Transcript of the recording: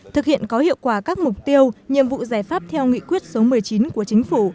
thực hiện có hiệu quả các mục tiêu nhiệm vụ giải pháp theo nghị quyết số một mươi chín của chính phủ